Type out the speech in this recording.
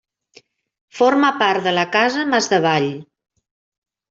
Forma part de la casa Masdevall.